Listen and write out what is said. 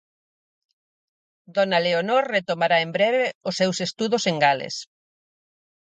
Dona Leonor retomará en breve os seus estudos en Gales.